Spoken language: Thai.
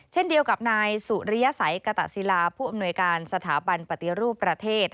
เช่นเดียวกับนายสุริยสัยกตะศิลาผู้อำนวยการสถาบันปฏิรูปประเทศ